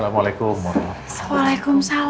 entah mana pernikahanmu untuk seperti layak mihan